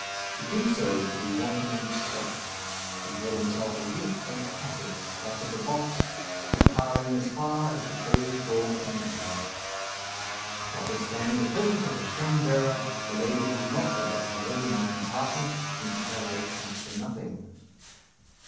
To do so is to be wanting in respect. He held himself aloof and passive at the back of the box, retiring as far as the closed door permitted. Notwithstanding the presence of her train bearer, the lady was not the less alone in the compartment, since a valet counts for nothing.